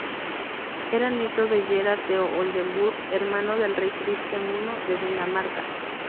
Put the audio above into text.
Era nieto de Gerhard de Oldenburg, hermano del rey Cristián I de Dinamarca.